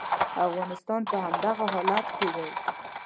افغانستان په همدغه حالت کې دی.